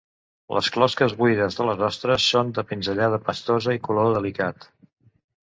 Les closques buides de les ostres són de pinzellada pastosa i color delicat.